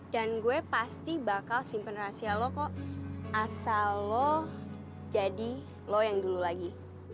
dan gue pasti bakal simpen rahasia lo kok asal lo jadi lo yang dulu lagi